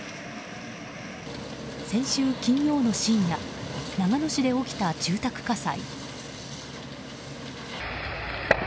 先週金曜の深夜長野市で起きた住宅火災。